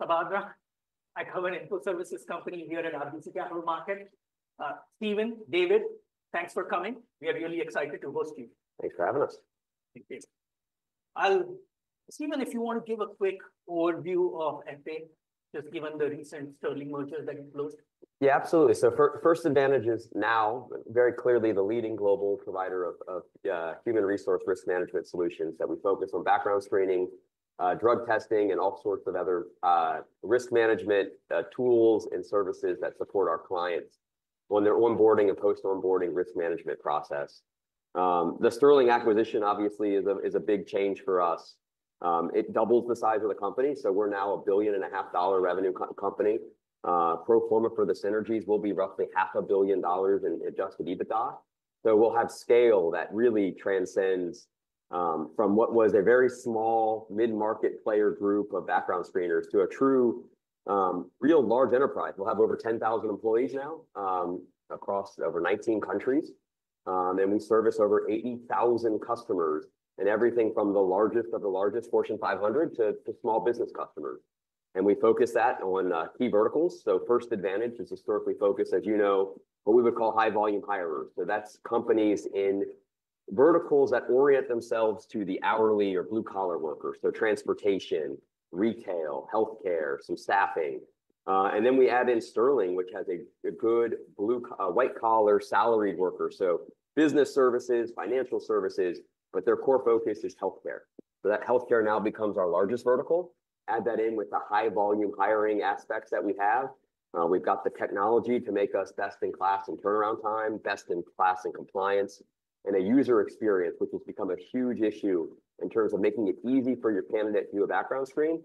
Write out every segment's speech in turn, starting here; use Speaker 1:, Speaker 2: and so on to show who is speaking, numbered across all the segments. Speaker 1: Sabadra, I cover an Info Services company here at RBC Capital Markets. Steven, David, thanks for coming. We are really excited to host you.
Speaker 2: Thanks for having us.
Speaker 1: Thank you. Steven, if you want to give a quick overview of FA, just given the recent Sterling merger that you closed.
Speaker 2: Yeah, absolutely. So First Advantage is now very clearly the leading global provider of human resource risk management solutions that we focus on background screening, drug testing, and all sorts of other risk management tools and services that support our clients on their onboarding and post-onboarding risk management process. The Sterling acquisition obviously is a big change for us. It doubles the size of the company, so we're now a $1.5 billion revenue company. Pro forma for the synergies will be roughly $500 million in adjusted EBITDA. So we'll have scale that really transcends from what was a very small mid-market player group of background screeners to a true real large enterprise. We'll have over 10,000 employees now across over 19 countries. And we service over 80,000 customers and everything from the largest of the largest Fortune 500 to small business customers. And we focus that on key verticals. So First Advantage is historically focused, as you know, what we would call high volume hirers. So that's companies in verticals that orient themselves to the hourly or blue-collar workers. So transportation, retail, healthcare, some staffing. And then we add in Sterling, which has a good blue and white-collar salaried worker. So business services, financial services, but their core focus is healthcare. So that healthcare now becomes our largest vertical. Add that in with the high volume hiring aspects that we have. We've got the technology to make us best in class in turnaround time, best in class in compliance, and a user experience, which has become a huge issue in terms of making it easy for your candidate to do a background screen.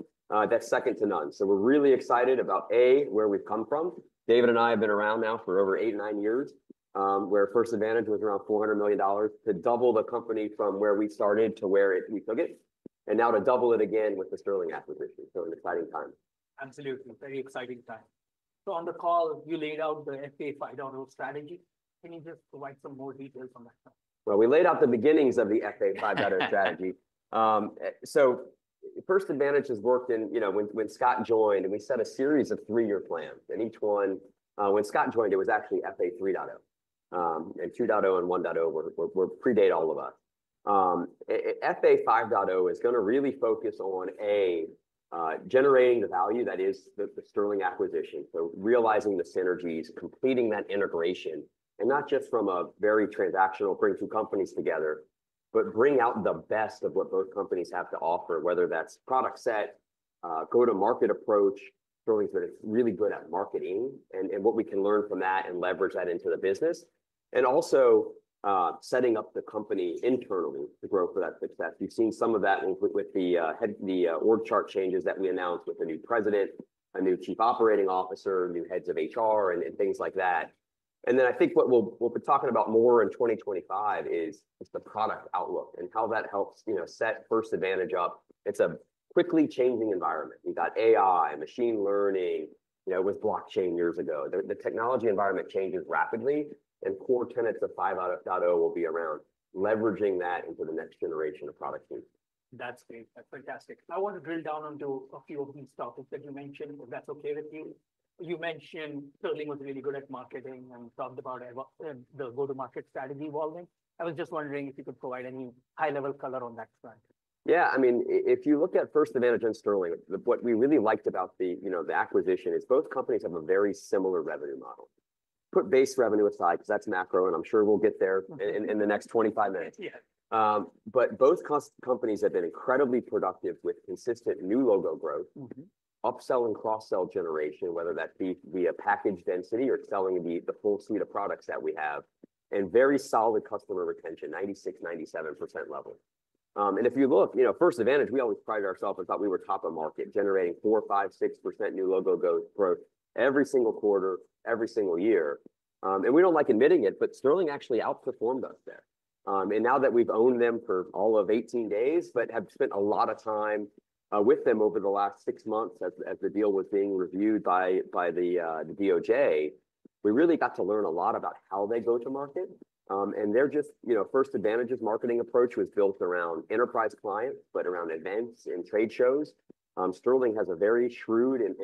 Speaker 2: That's second to none. So we're really excited about a, where we've come from. David and I have been around now for over eight and nine years, where First Advantage was around $400 million to double the company from where we started to where we took it, and now to double it again with the Sterling acquisition, so an exciting time.
Speaker 1: Absolutely. Very exciting time. So on the call, you laid out the FA 5.0 strategy. Can you just provide some more details on that?
Speaker 2: We laid out the beginnings of the FA 5.0 strategy. First Advantage has worked in, you know, when Scott joined, and we set a series of three-year plans. Each one, when Scott joined, it was actually FA 3.0. 2.0 and 1.0 predated all of us. FA 5.0 is going to really focus on a, generating the value that is the Sterling acquisition, realizing the synergies, completing that integration, and not just from a very transactional bring two companies together, but bring out the best of what both companies have to offer, whether that's product set, go-to-market approach. Sterling's been really good at marketing and what we can learn from that and leverage that into the business. Also setting up the company internally to grow for that success. You've seen some of that with the org chart changes that we announced with the new president, a new Chief Operating Officer, new heads of HR, and things like that. And then I think what we'll be talking about more in 2025 is the product outlook and how that helps, you know, set First Advantage up. It's a quickly changing environment. We've got AI, machine learning, you know, with blockchain years ago. The technology environment changes rapidly, and core tenets of 5.0 will be around leveraging that into the next generation of product users.
Speaker 1: That's great. That's fantastic. I want to drill down onto a few of these topics that you mentioned, if that's okay with you. You mentioned Sterling was really good at marketing and talked about the go-to-market strategy evolving. I was just wondering if you could provide any high-level color on that front.
Speaker 2: Yeah, I mean, if you look at First Advantage and Sterling, what we really liked about the, you know, the acquisition is both companies have a very similar revenue model. Put base revenue aside because that's macro, and I'm sure we'll get there in the next 25 minutes, but both companies have been incredibly productive with consistent new logo growth, upsell and cross-sell generation, whether that be via package density or selling the full suite of products that we have, and very solid customer retention, 96%-97% level, and if you look, you know, First Advantage, we always prided ourselves and thought we were top of the market, generating 4%, 5%, 6% new logo growth every single quarter, every single year, and we don't like admitting it, but Sterling actually outperformed us there. Now that we've owned them for all of 18 days, but have spent a lot of time with them over the last six months as the deal was being reviewed by the DOJ, we really got to learn a lot about how they go-to-market. They're just, you know, First Advantage's marketing approach was built around enterprise clients, but around events and trade shows. Sterling has a very shrewd and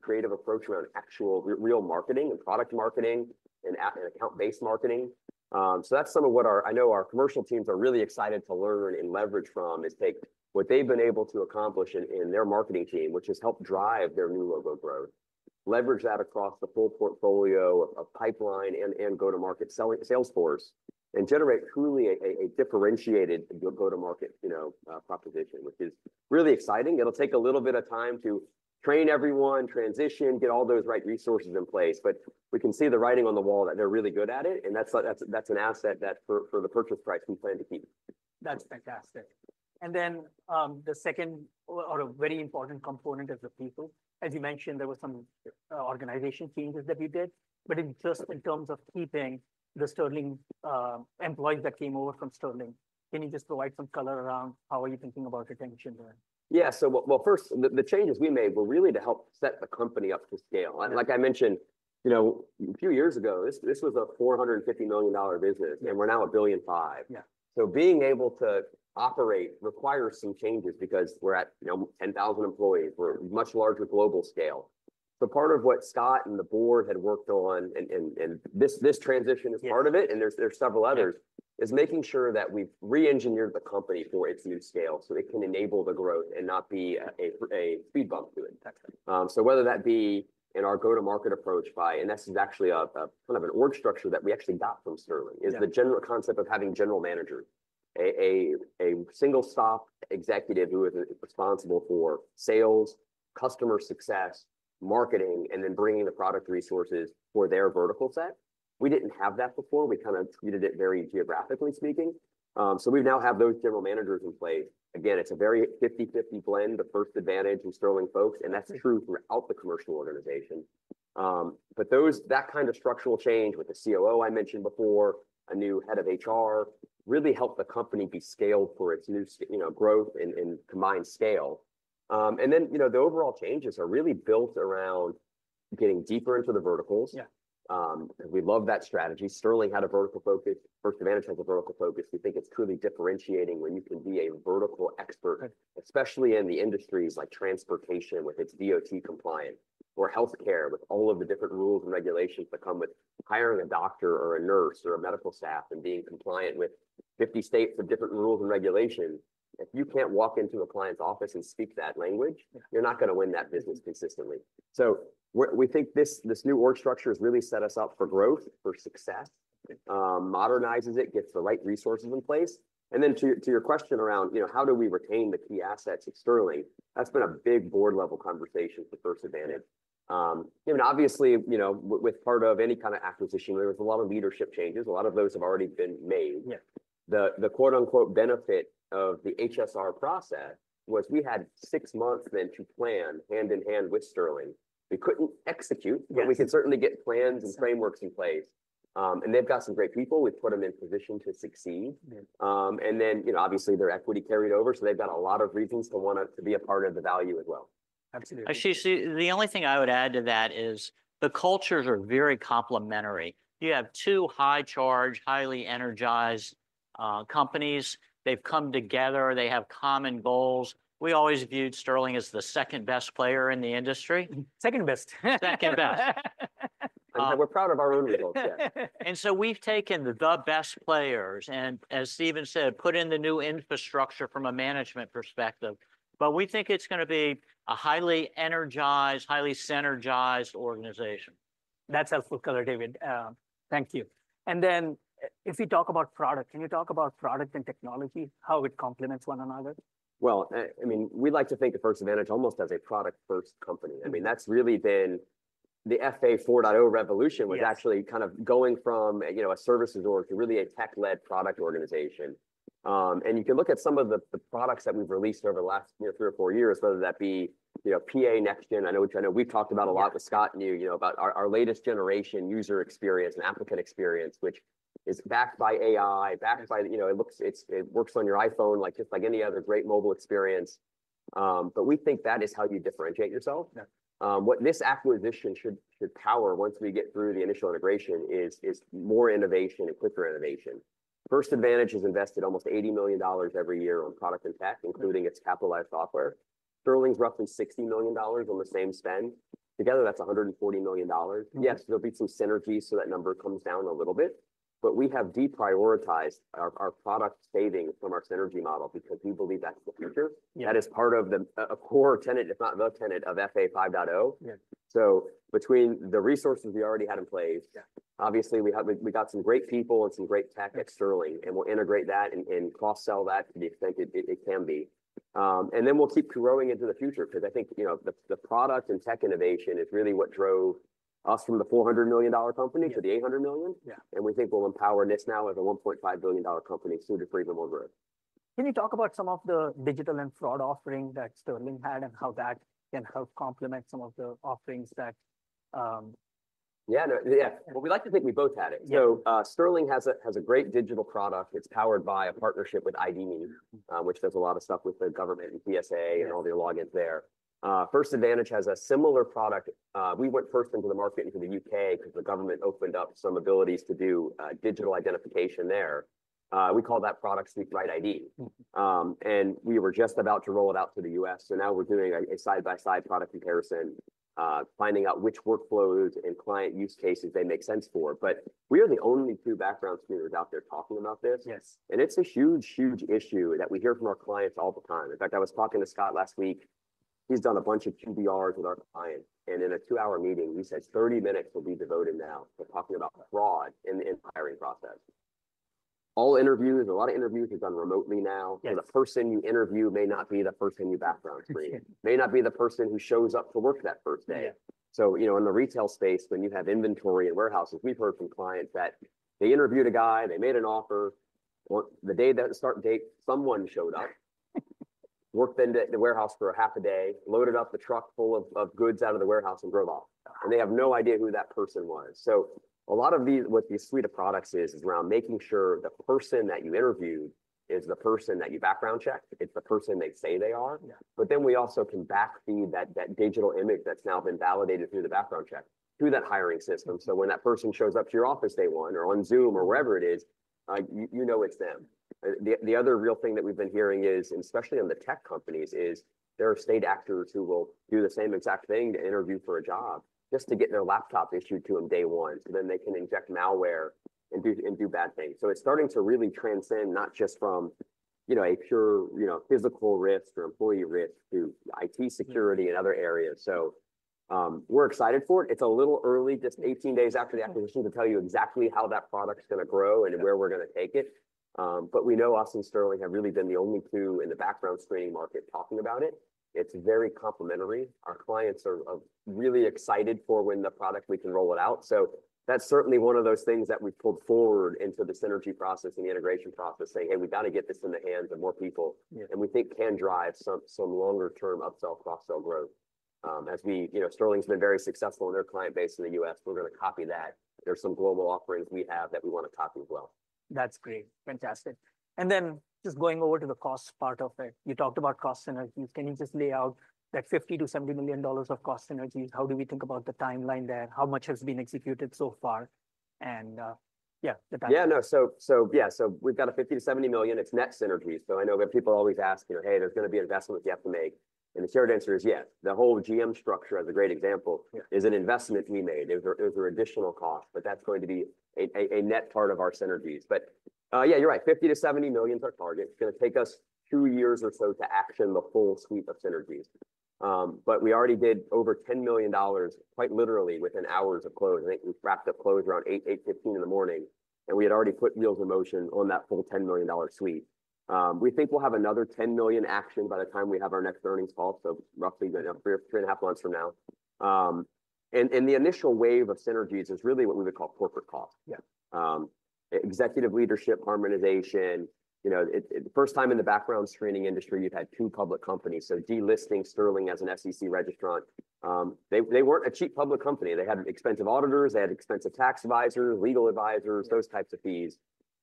Speaker 2: creative approach around actual real marketing and product marketing and account-based marketing. That's some of what our, I know our commercial teams are really excited to learn and leverage from is take what they've been able to accomplish in their marketing team, which has helped drive their new logo growth, leverage that across the full portfolio of pipeline and go-to-market sales force, and generate truly a differentiated go-to-market, you know, proposition, which is really exciting. It'll take a little bit of time to train everyone, transition, get all those right resources in place, but we can see the writing on the wall that they're really good at it, and that's an asset that for the purchase price we plan to keep.
Speaker 1: That's fantastic. And then the second or a very important component is the people. As you mentioned, there were some organization changes that we did, but just in terms of keeping the Sterling employees that came over from Sterling, can you just provide some color around how are you thinking about retention there?
Speaker 2: Yeah. Well, first, the changes we made were really to help set the company up to scale. And like I mentioned, you know, a few years ago, this was a $450 million business, and we're now a $1.5 billion business. So being able to operate requires some changes because we're at, you know, 10,000 employees. We're a much larger global scale. So part of what Scott and the board had worked on, and this transition is part of it, and there's several others, is making sure that we've re-engineered the company for its new scale so it can enable the growth and not be a speed bump to it. So whether that be in our go-to-market approach by, and this is actually a kind of an org structure that we actually got from Sterling, is the general concept of having general managers, a single stop executive who is responsible for sales, customer success, marketing, and then bringing the product resources for their vertical set. We didn't have that before. We kind of treated it very geographically speaking. So we now have those general managers in place. Again, it's a very 50/50 blend, the First Advantage and Sterling folks, and that's true throughout the commercial organization. But that kind of structural change with the COO I mentioned before, a new head of HR, really helped the company be scaled for its new, you know, growth and combined scale. And then, you know, the overall changes are really built around getting deeper into the verticals. We love that strategy. Sterling had a vertical focus. First Advantage has a vertical focus. We think it's truly differentiating when you can be a vertical expert, especially in the industries like transportation with its DOT compliance or healthcare with all of the different rules and regulations that come with hiring a doctor or a nurse or a medical staff and being compliant with 50 states of different rules and regulations. If you can't walk into a client's office and speak that language, you're not going to win that business consistently, so we think this new org structure has really set us up for growth, for success, modernizes it, gets the right resources in place, and then to your question around, you know, how do we retain the key assets externally, that's been a big board-level conversation for First Advantage. I mean, obviously, you know, with part of any kind of acquisition, there was a lot of leadership changes. A lot of those have already been made. The quote unquote benefit of the HSR process was we had six months then to plan hand in hand with Sterling. We couldn't execute, but we could certainly get plans and frameworks in place, and they've got some great people. We've put them in position to succeed, and then, you know, obviously their equity carried over. So they've got a lot of reasons to want to be a part of the value as well.
Speaker 1: Absolutely.
Speaker 3: Actually, the only thing I would add to that is the cultures are very complementary. You have two high-charge, highly energized companies. They've come together. They have common goals. We always viewed Sterling as the second best player in the industry.
Speaker 1: Second best.
Speaker 3: Second best.
Speaker 2: We're proud of our own results, yeah.
Speaker 3: And so we've taken the best players and, as Scott said, put in the new infrastructure from a management perspective. But we think it's going to be a highly energized, highly synergized organization.
Speaker 1: That's helpful color, David. Thank you. And then if we talk about product, can you talk about product and technology, how it complements one another?
Speaker 2: I mean, we like to think of First Advantage almost as a product-first company. I mean, that's really been the FA 4.0 revolution was actually kind of going from, you know, a services org to really a tech-led product organization, and you can look at some of the products that we've released over the last, you know, three or four years, whether that be, you know, PA, NextGen, I know which we've talked about a lot with Scott and you, you know, about our latest generation user experience and applicant experience, which is backed by AI, backed by, you know, it works on your iPhone, like just like any other great mobile experience, but we think that is how you differentiate yourself. What this acquisition should power once we get through the initial integration is more innovation and quicker innovation. First Advantage has invested almost $80 million every year on product and tech, including its capitalized software. Sterling's roughly $60 million on the same spend. Together, that's $140 million. Yes, there'll be some synergies, so that number comes down a little bit, but we have deprioritized our product savings from our synergy model because we believe that's the future. That is part of the core tenet, if not the tenet of FA 5.0, so between the resources we already had in place, obviously we got some great people and some great tech at Sterling, and we'll integrate that and cross-sell that to the extent it can be, and then we'll keep growing into the future because I think, you know, the product and tech innovation is really what drove us from the $400 million company to the $800 million. We think we'll empower NIST now as a $1.5 billion company soon to further more growth.
Speaker 1: Can you talk about some of the digital and fraud offerings that Sterling had and how that can help complement some of the offerings that?
Speaker 2: Yeah, yeah. Well, we like to think we both had it. So Sterling has a great digital product. It's powered by a partnership with ID.me, which does a lot of stuff with the government and GSA and all the logins there. First Advantage has a similar product. We went first into the market into the UK because the government opened up some abilities to do digital identification there. We call that product suite RightID. And we were just about to roll it out to the US. So now we're doing a side-by-side product comparison, finding out which workflows and client use cases they make sense for. But we are the only two background screeners out there talking about this. And it's a huge, huge issue that we hear from our clients all the time. In fact, I was talking to Scott last week. He's done a bunch of QBRs with our clients. And in a two-hour meeting, he said 30 minutes will be devoted now to talking about fraud in the hiring process. All interviews, a lot of interviews are done remotely now. The person you interview may not be the first in your background screen, may not be the person who shows up to work that first day. So, you know, in the retail space, when you have inventory and warehouses, we've heard from clients that they interviewed a guy, they made an offer, the day that start date, someone showed up, worked in the warehouse for a half a day, loaded up the truck full of goods out of the warehouse and drove off. And they have no idea who that person was. So a lot of what the suite of products is, is around making sure the person that you interviewed is the person that you background checked. It's the person they say they are. But then we also can backfeed that digital image that's now been validated through the background check through that hiring system. So when that person shows up to your office day one or on Zoom or wherever it is, you know it's them. The other real thing that we've been hearing is, and especially on the tech companies, is there are state actors who will do the same exact thing to interview for a job just to get their laptop issued to them day one. So then they can inject malware and do bad things. So it's starting to really transcend not just from, you know, a pure, you know, physical risk or employee risk to IT security and other areas. So we're excited for it. It's a little early, just 18 days after the acquisition to tell you exactly how that product's going to grow and where we're going to take it. But we know us and Sterling have really been the only two in the background screening market talking about it. It's very complementary. Our clients are really excited for when the product we can roll it out. So that's certainly one of those things that we've pulled forward into the synergy process and the integration process, saying, hey, we've got to get this in the hands of more people. And we think can drive some longer-term upsell, cross-sell growth. As we, you know, Sterling's been very successful in their client-base in the U.S. We're going to copy that. There's some global offerings we have that we want to copy as well.
Speaker 1: That's great. Fantastic. And then just going over to the cost part of it, you talked about cost synergies. Can you just lay out that $50-$70 million of cost synergies? How do we think about the timeline there? How much has been executed so far? And yeah, the timeline.
Speaker 2: Yeah, no, so yeah, so we've got a $50-$70 million. It's net synergies. So I know that people always ask, you know, hey, there's going to be an investment you have to make. And the short answer is yes. The whole G&A structure as a great example is an investment we made. There's an additional cost, but that's going to be a net part of our synergies. But yeah, you're right. $50-$70 million is our target. It's going to take us two years or so to action the full suite of synergies. But we already did over $10 million, quite literally within hours of close. I think we wrapped up close around 8:00 A.M., 8:15 A.M. And we had already put wheels in motion on that full $10 million suite. We think we'll have another $10 million action by the time we have our next earnings call, so roughly three and a half months from now. The initial wave of synergies is really what we would call corporate cost. Executive leadership harmonization. You know, the first time in the background screening industry, you've had two public companies, so delisting Sterling as an SEC registrant. They weren't a cheap public company. They had expensive auditors. They had expensive tax advisors, legal advisors, those types of fees.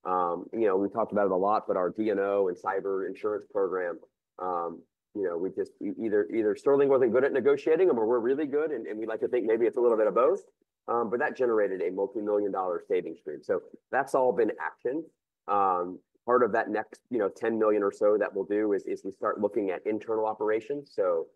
Speaker 2: You know, we talked about it a lot, but our D&O and cyber insurance program. You know, we just either Sterling wasn't good at negotiating them or we're really good, and we like to think maybe it's a little bit of both, but that generated a multi-million dollar savings stream, so that's all been action. Part of that next, you know, $10 million or so that we'll do is we start looking at internal operations, so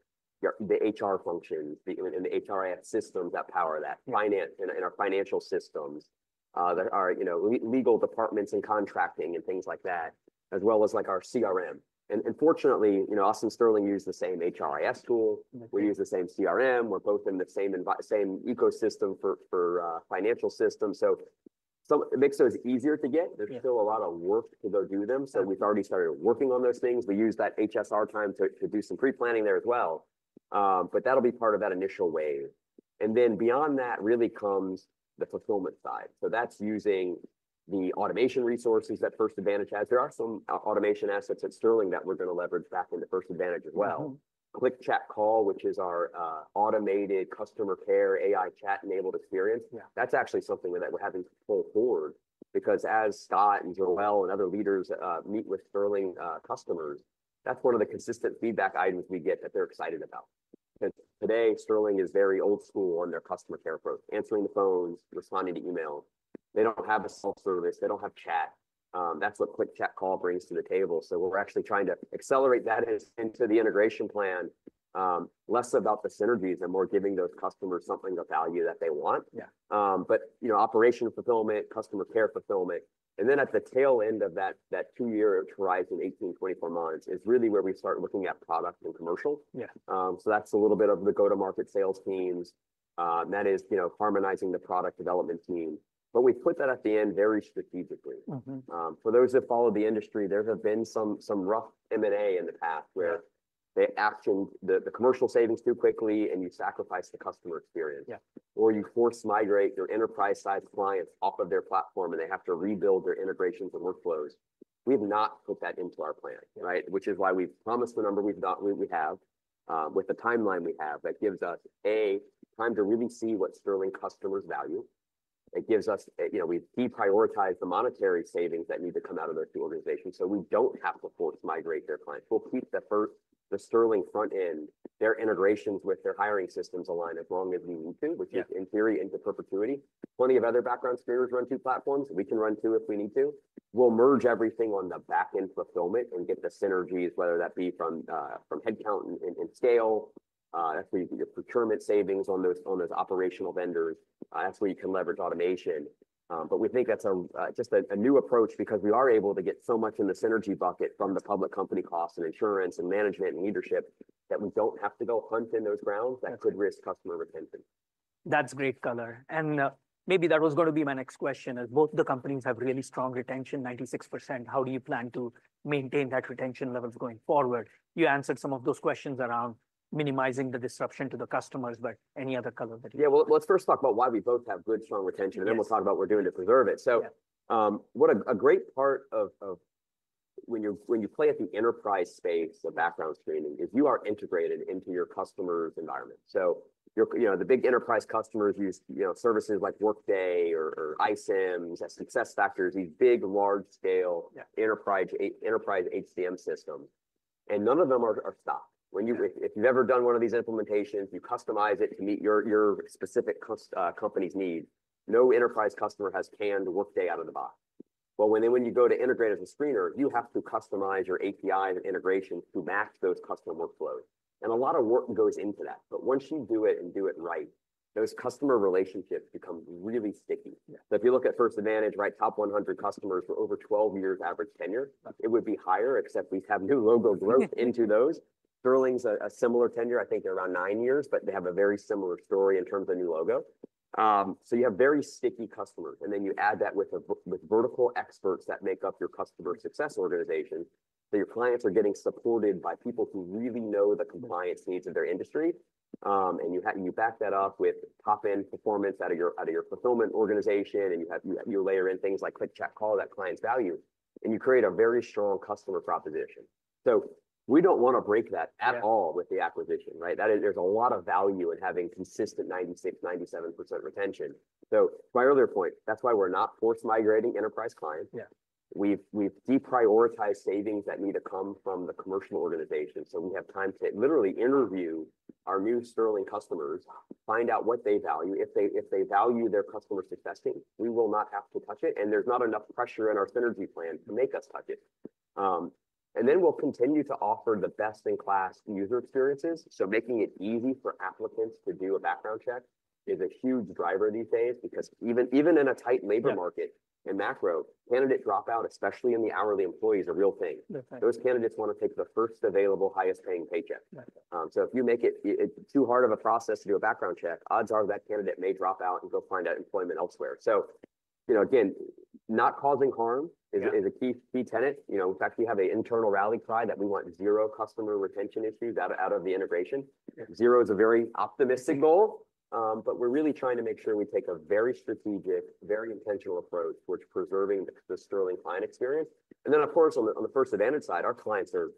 Speaker 2: the HR functions and the HRIS systems that power that finance and our financial systems that are, you know, legal departments and contracting and things like that, as well as like our CRM, and fortunately, you know, us and Sterling use the same HRIS tool. We use the same CRM. We're both in the same ecosystem for financial systems, so it makes those easier to get. There's still a lot of work to go do them, so we've already started working on those things, we use that HSR time to do some pre-planning there as well, but that'll be part of that initial wave, and then beyond that really comes the fulfillment side, so that's using the automation resources that First Advantage has. There are some automation assets at Sterling that we're going to leverage back into First Advantage as well. Click-Chat-Call, which is our automated customer care AI chat-enabled experience. That's actually something that we're having to pull forward because as Scott and Joelle and other leaders meet with Sterling customers, that's one of the consistent feedback items we get that they're excited about. Because today, Sterling is very old school on their customer care approach, answering the phones, responding to emails. They don't have a self-service. They don't have chat. That's what Click-Chat-Call brings to the table. So we're actually trying to accelerate that into the integration plan, less about the synergies and more giving those customers something of value that they want. But, you know, operation fulfillment, customer care fulfillment. And then at the tail end of that two-year horizon, 18-24 months, is really where we start looking at product and commercial. So that's a little bit of the go-to-market sales teams. That is, you know, harmonizing the product development team. But we put that at the end very strategically. For those who follow the industry, there have been some rough M&A in the past where they actioned the commercial savings too quickly and you sacrificed the customer experience. Or you force migrate your enterprise-sized clients off of their platform and they have to rebuild their integrations and workflows. We've not put that into our plan, right? Which is why we've promised the number we have, with the timeline we have, that gives us, A, time to really see what Sterling customers value. It gives us, you know, we've deprioritized the monetary savings that need to come out of those two organizations. So we don't have to force migrate their clients. We'll keep the Sterling front end, their integrations with their hiring systems aligned as long as we need to, which is in theory into perpetuity. Plenty of other background screeners run two platforms. We can run two if we need to. We'll merge everything on the backend fulfillment and get the synergies, whether that be from headcount and scale. That's where you get your procurement savings on those operational vendors. That's where you can leverage automation. But we think that's just a new approach because we are able to get so much in the synergy bucket from the public company costs and insurance and management and leadership that we don't have to go hunt in those grounds that could risk customer retention.
Speaker 1: That's great color. And maybe that was going to be my next question as both the companies have really strong retention, 96%. How do you plan to maintain that retention levels going forward? You answered some of those questions around minimizing the disruption to the customers, but any other color that you?
Speaker 2: Yeah, well, let's first talk about why we both have good, strong retention, and then we'll talk about what we're doing to preserve it. What a great part of when you play at the enterprise space of background screening is you are integrated into your customer's environment. You know the big enterprise customers use, you know, services like Workday or iCIMS, SuccessFactors, these big, large-scale enterprise HCM systems. None of them are stopped. If you've ever done one of these implementations, you customize it to meet your specific company's needs. No enterprise customer has canned Workday out of the box. When you go to integrate as a screener, you have to customize your APIs and integrations to match those customer workflows. A lot of work goes into that. Once you do it and do it right, those customer relationships become really sticky. So if you look at First Advantage, right, top 100 customers for over 12 years average tenure, it would be higher, except we have new logo growth into those. Sterling's a similar tenure. I think they're around nine years, but they have a very similar story in terms of new logo. So you have very sticky customers. And then you add that with vertical experts that make up your customer success organization. So your clients are getting supported by people who really know the compliance needs of their industry. And you back that up with top-end performance out of your fulfillment organization. And you layer in things like Click-Chat-Call that clients value. And you create a very strong customer proposition. So we don't want to break that at all with the acquisition, right? There's a lot of value in having consistent 96%-97% retention. So, to my earlier point, that's why we're not force migrating enterprise clients. We've deprioritized savings that need to come from the commercial organization. So we have time to literally interview our new Sterling customers, find out what they value. If they value their customer success, we will not have to touch it. And there's not enough pressure in our synergy plan to make us touch it. And then we'll continue to offer the best-in-class user experiences. So making it easy for applicants to do a background check is a huge driver these days because even in a tight labor market and macro, candidate dropout, especially in the hourly employees, is a real thing. Those candidates want to take the first available highest-paying paycheck. So if you make it too hard of a process to do a background check, odds are that candidate may drop out and go find employment elsewhere. So, you know, again, not causing harm is a key tenet. You know, in fact, we have an internal rally cry that we want zero customer retention issues out of the integration. Zero is a very optimistic goal. But we're really trying to make sure we take a very strategic, very intentional approach towards preserving the Sterling client experience. And then, of course, on the First Advantage side, our clients are,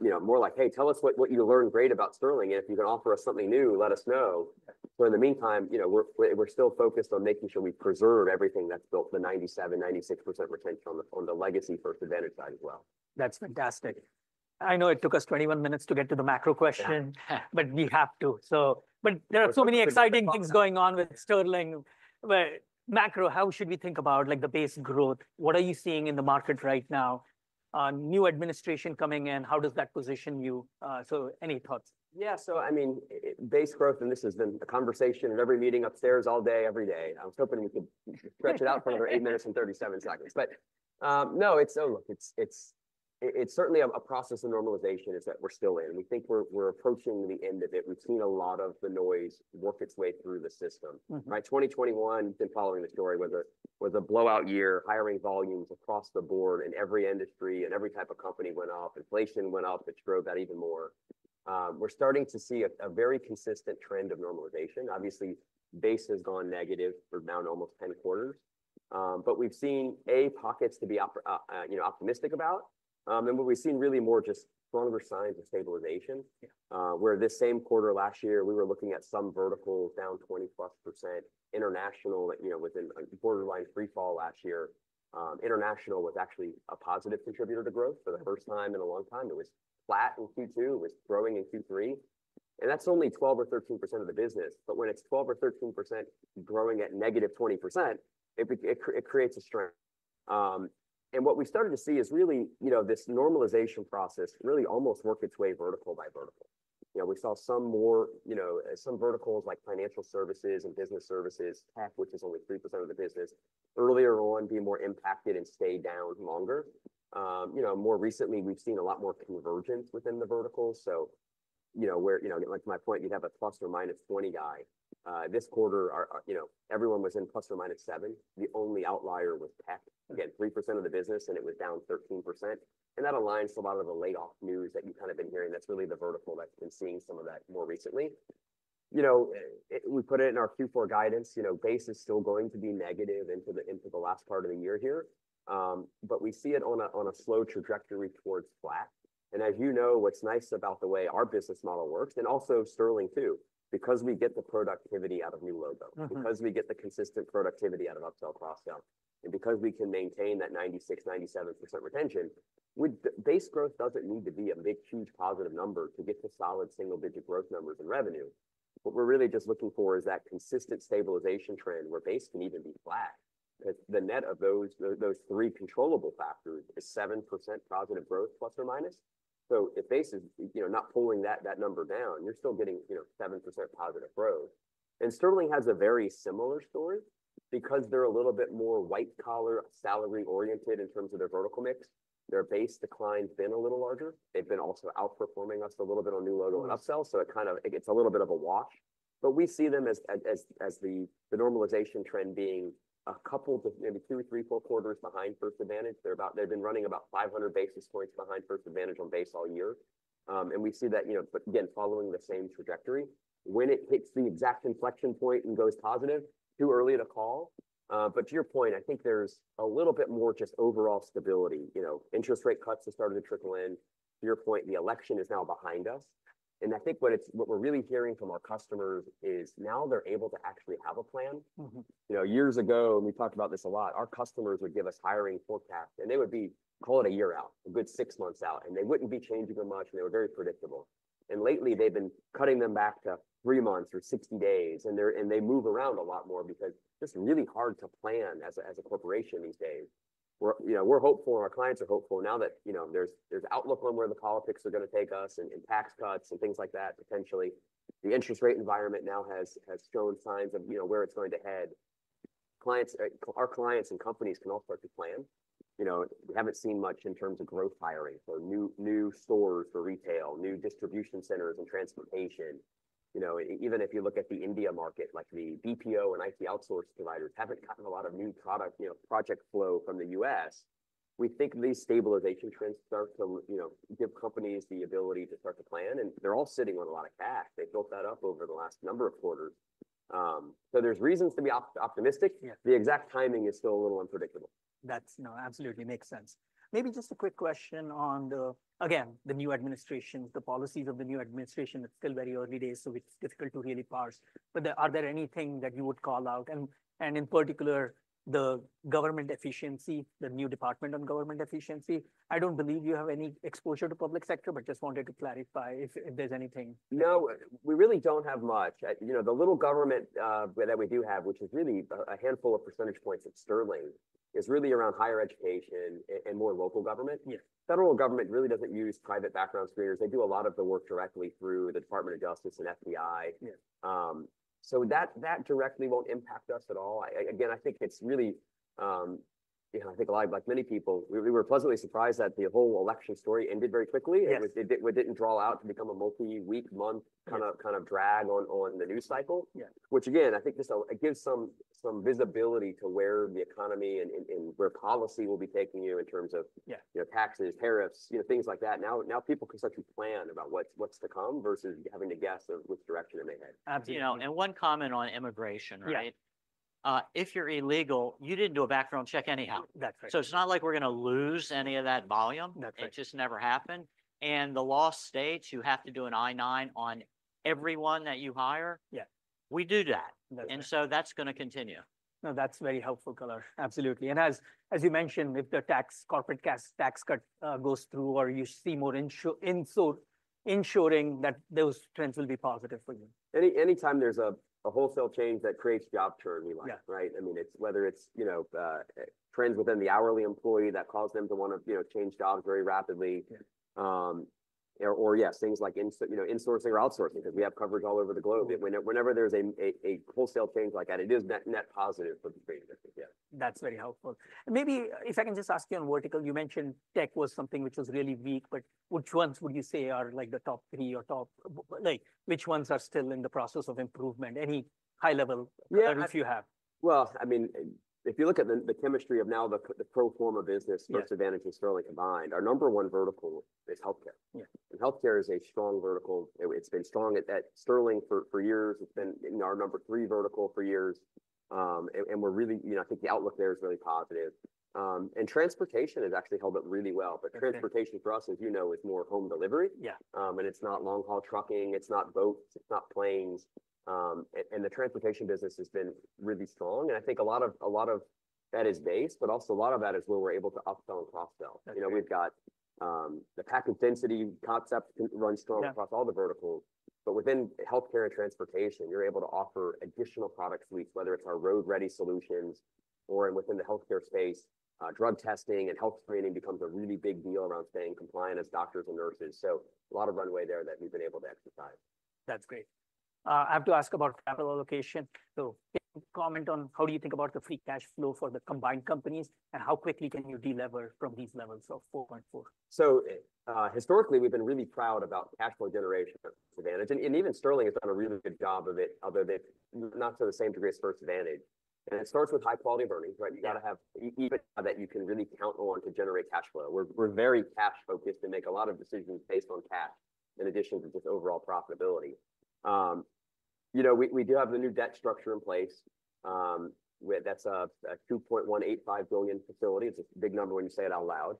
Speaker 2: you know, more like, hey, tell us what you learned great about Sterling. And if you can offer us something new, let us know. So in the meantime, you know, we're still focused on making sure we preserve everything that's built the 97%-96% retention on the legacy First Advantage side as well.
Speaker 1: That's fantastic. I know it took us 21 minutes to get to the macro question, but we have to. So, but there are so many exciting things going on with Sterling. But macro, how should we think about like the base growth? What are you seeing in the market right now? New administration coming in, how does that position you? So any thoughts?
Speaker 2: Yeah, so I mean, base growth, and this has been the conversation at every meeting upstairs all day, every day. I was hoping we could stretch it out for another eight minutes and 37 seconds. But no, it's certainly a process of normalization that we're still in. We think we're approaching the end of it. We've seen a lot of the noise work its way through the system. Right? 2021, been following the story, was a blowout year, hiring volumes across the board in every industry and every type of company went off. Inflation went up, which drove that even more. We're starting to see a very consistent trend of normalization. Obviously, base has gone negative for now almost 10 quarters. But we've seen pockets to be optimistic about. And what we've seen really more just stronger signs of stabilization. Whereas this same quarter last year, we were looking at some verticals down 20%+. International, you know, within borderline free fall last year. International was actually a positive contributor to growth for the first time in a long time. It was flat in Q2. It was growing in Q3. And that's only 12% or 13% of the business. But when it's 12% or 13% growing at -20%, it creates a strength. And what we started to see is really, you know, this normalization process really almost worked its way vertical by vertical. You know, we saw some more, you know, some verticals like financial services and business services, tech, which is only 3% of the business, earlier on be more impacted and stay down longer. You know, more recently, we've seen a lot more convergence within the vertical. You know, where, you know, like my point, you'd have a ±20 guy. This quarter, you know, everyone was in ±7. The only outlier was tech. Again, 3% of the business, and it was down 13%. And that aligns to a lot of the layoff news that you've kind of been hearing. That's really the vertical that's been seeing some of that more recently. You know, we put it in our Q4 guidance. You know, base is still going to be negative into the last part of the year here. But we see it on a slow trajectory towards flat. As you know, what's nice about the way our business model works, and also Sterling too, because we get the productivity out of new logo, because we get the consistent productivity out of upsell, cross-sell, and because we can maintain that 96%-97% retention. Base growth doesn't need to be a big, huge positive number to get the solid single-digit growth numbers in revenue. What we're really just looking for is that consistent stabilization trend where base can even be flat. Because the net of those three controllable factors is 7% positive growth plus or minus. If base is, you know, not pulling that number down, you're still getting, you know, 7% positive growth. Sterling has a very similar story because they're a little bit more white-collar, salary-oriented in terms of their vertical mix. Their base decline has been a little larger. They've been also outperforming us a little bit on new logo and upsell. So it kind of, it's a little bit of a wash. But we see them as the normalization trend being a couple to maybe two, three, four quarters behind First Advantage. They've been running about 500 basis points behind First Advantage on base all year. And we see that, you know, again, following the same trajectory. When it hits the exact inflection point and goes positive, too early to call. But to your point, I think there's a little bit more just overall stability. You know, interest rate cuts have started to trickle in. To your point, the election is now behind us. And I think what we're really hearing from our customers is now they're able to actually have a plan. You know, years ago, and we talked about this a lot, our customers would give us hiring forecasts, and they would be, call it a year out, a good six months out. And they wouldn't be changing them much, and they were very predictable. And lately, they've been cutting them back to three months or 60 days. And they move around a lot more because it's just really hard to plan as a corporation these days. You know, we're hopeful, and our clients are hopeful now that, you know, there's outlook on where the politics are going to take us and tax cuts and things like that potentially. The interest rate environment now has shown signs of, you know, where it's going to head. Our clients and companies can all start to plan. You know, we haven't seen much in terms of growth hiring for new stores for retail, new distribution centers and transportation. You know, even if you look at the India market, like the BPO and IT outsource providers haven't gotten a lot of new product, you know, project flow from the U.S., we think these stabilization trends start to, you know, give companies the ability to start to plan, and they're all sitting on a lot of cash. They built that up over the last number of quarters, so there's reasons to be optimistic. The exact timing is still a little unpredictable.
Speaker 1: That absolutely makes sense. Maybe just a quick question on the, again, the new administration, the policies of the new administration. It's still very early days, so it's difficult to really parse. But are there anything that you would call out? And in particular, the government efficiency, the new Department of Government Efficiency. I don't believe you have any exposure to public sector, but just wanted to clarify if there's anything.
Speaker 2: No, we really don't have much. You know, the little government that we do have, which is really a handful of percentage points of Sterling, is really around higher education and more local government. Federal government really doesn't use private background screeners. They do a lot of the work directly through the Department of Justice and FBI. So that directly won't impact us at all. Again, I think it's really, you know, I think a lot of, like many people, we were pleasantly surprised that the whole election story ended very quickly. It didn't draw out to become a multi-week, month kind of drag on the news cycle. Which again, I think just it gives some visibility to where the economy and where policy will be taking you in terms of, you know, taxes, tariffs, you know, things like that. Now people can start to plan about what's to come versus having to guess which direction it may head.
Speaker 1: Absolutely.
Speaker 3: And one comment on immigration, right? If you're illegal, you didn't do a background check anyhow. So it's not like we're going to lose any of that volume. That just never happened. And the law states you have to do an I-9 on everyone that you hire. We do that. And so that's going to continue.
Speaker 1: No, that's very helpful color. Absolutely. And as you mentioned, if the corporate tax cut goes through or you see more ensuring that those trends will be positive for you.
Speaker 2: Anytime there's a wholesale change that creates job churn, we like, right? I mean, it's whether it's, you know, trends within the hourly employee that cause them to want to, you know, change jobs very rapidly. Or yes, things like, you know, insourcing or outsourcing. We have coverage all over the globe. Whenever there's a wholesale change like that, it is net positive for the trading district. Yeah.
Speaker 1: That's very helpful. And maybe if I can just ask you on vertical, you mentioned tech was something which was really weak, but which ones would you say are like the top three or, like, which ones are still in the process of improvement? Any high level that you have.
Speaker 2: I mean, if you look at the chemistry of now the pro forma business, First Advantage and Sterling combined, our number one vertical is healthcare, and healthcare is a strong vertical. It's been strong at Sterling for years. It's been in our number three vertical for years, and we're really, you know, I think the outlook there is really positive. Transportation has actually held up really well, but transportation for us, as you know, is more home delivery, and it's not long-haul trucking. It's not boats. It's not planes, and the transportation business has been really strong. I think a lot of that is base, but also a lot of that is where we're able to upsell and cross-sell. You know, we've got the package density concept runs strong across all the verticals. But within healthcare and transportation, you're able to offer additional product suites, whether it's our RoadReady solutions or within the healthcare space, drug testing and health screening becomes a really big deal around staying compliant as doctors and nurses. So a lot of runway there that we've been able to exercise.
Speaker 1: That's great. I have to ask about capital allocation. So can you comment on how do you think about the free cash flow for the combined companies and how quickly can you deleverage from these levels of 4.4?
Speaker 3: So historically, we've been really proud about cash flow generation at First Advantage. And even Sterling has done a really good job of it, although not to the same degree as First Advantage. And it starts with high-quality earnings, right? You got to have earnings that you can really count on to generate cash flow. We're very cash-focused and make a lot of decisions based on cash in addition to just overall profitability. You know, we do have the new debt structure in place. That's a $2.185 billion facility. It's a big number when you say it out loud.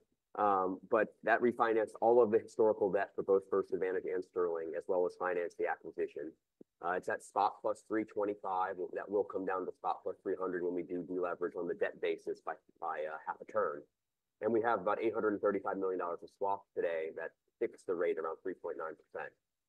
Speaker 3: But that refinanced all of the historical debt for both First Advantage and Sterling, as well as financed the acquisition. It's at spot +325. That will come down to spot +300 when we do deleverage on the debt basis by half a turn. And we have about $835 million of swaps today that fix the rate around 3.9%.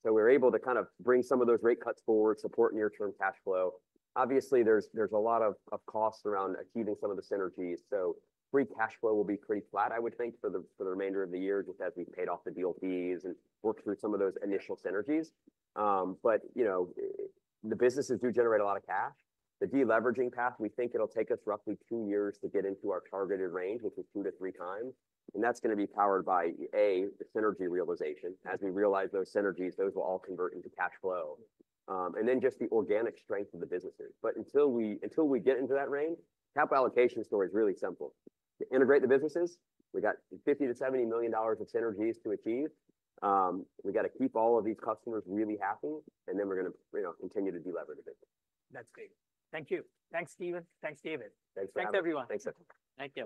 Speaker 3: So we're able to kind of bring some of those rate cuts forward, support near-term cash flow. Obviously, there's a lot of costs around achieving some of the synergies. So free cash flow will be pretty flat, I would think, for the remainder of the year, just as we've paid off the TLBs and worked through some of those initial synergies. But, you know, the businesses do generate a lot of cash. The deleveraging path, we think it'll take us roughly two years to get into our targeted range, which is two to three times. And that's going to be powered by, A, the synergy realization. As we realize those synergies, those will all convert into cash flow. And then just the organic strength of the businesses. But until we get into that range, capital allocation story is really simple. To integrate the businesses, we got $50-$70 million of synergies to achieve. We got to keep all of these customers really happy, and then we're going to continue to deleverage a bit.
Speaker 1: That's great. Thank you. Thanks, Steven. Thanks, David.
Speaker 2: Thanks for having us.
Speaker 1: Thanks, everyone.
Speaker 2: Thanks.